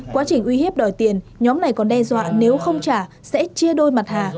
quá trình uy hiếp đòi tiền nhóm này còn đe dọa nếu không trả sẽ chia đôi mặt hàng